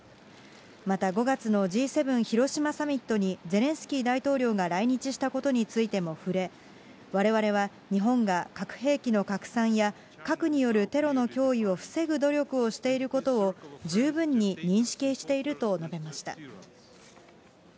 また、５月のＧ７広島サミットにゼレンスキー大統領が来日したことについても触れ、われわれは日本が核兵器の拡散や、核によるテロの脅威を防ぐ努力をしていることを十分に認識していると述べました。